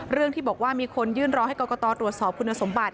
เรื่องที่บอกว่ามีคนยื่นร้องให้กรกตตรวจสอบคุณสมบัติ